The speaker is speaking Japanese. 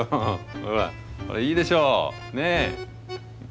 ほらいいでしょうねえ。